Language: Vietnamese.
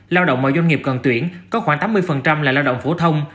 lao động mà doanh nghiệp cần tuyển có khoảng tám mươi là lao động phổ thông